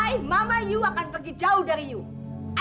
i mama you akan pergi jauh dari you